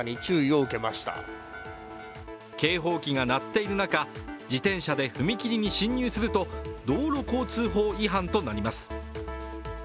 警報機が鳴っている中、自転車で踏切に進入すると道路交通法違反となります。